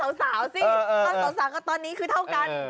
ตอนสาวสาวก็ตอนนี้คือเท่ากัน